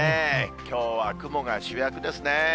きょうは雲が主役ですね。